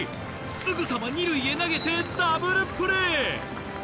すぐさま二塁へ投げてダブルプレー！